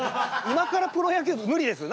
今からプロ野球は無理です。